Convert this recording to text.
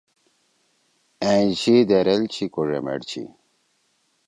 أئں چھی دیریل چھی کو ڙیمیٹ چھی